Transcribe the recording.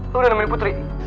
lu udah nemuin putri